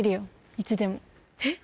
いつでもえっ？